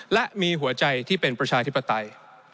และมีหัวใจที่เป็นประชาธิปไตย